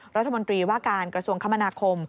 รัฐมนตรีว่าการกระทรวงคมนาคม